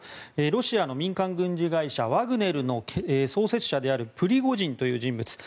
ロシアの民間軍事会社ワグネルの創設者であるプリゴジンという人物